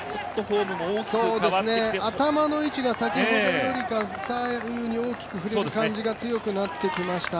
頭の位置が先ほどよりか左右に大きく振る感じが強くなってきました。